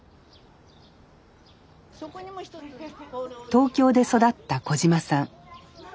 東京で育った小島さん。